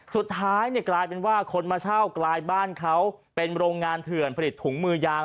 สุดท้ายเนี่ยกลายเป็นว่าคนมาเช่ากลายบ้านเขาเป็นโรงงานเถื่อนผลิตถุงมือยาง